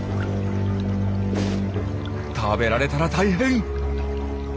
食べられたら大変！